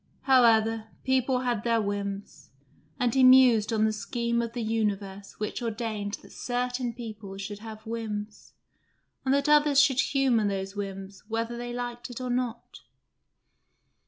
However, people had their whims, and he mused on the scheme of the universe which ordained that certain people should have whims, and that others should humour those whims whether they liked it or not.